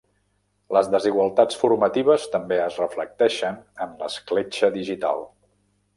Les desigualtats formatives també es reflecteixen en l'escletxa digital.